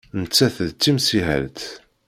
Nettat d timsihelt.